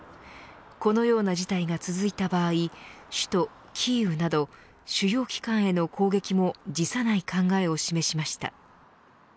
このような事態が続いた場合首都キーウなど主要機関への攻撃も辞さない考えを示しました。